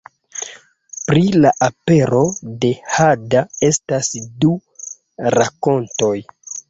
Pri la apero de hada estas du rakontoj.